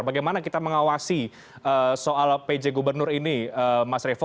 bagaimana kita mengawasi soal pj gubernur ini mas revo